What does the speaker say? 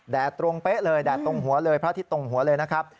ตรงเป๊ะเลยแดดตรงหัวเลยพระอาทิตย์ตรงหัวเลยนะครับ